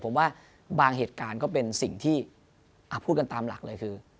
ผมว่าบางเหตุการณ์ก็เป็นสิ่งที่พูดกันตามหลักเลยคือ